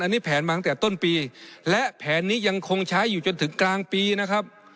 อันนี้แผนมาตั้งแต่ต้นปีและแผนนี้ยังคงใช้อยู่จนถึงกลางปีนะครับ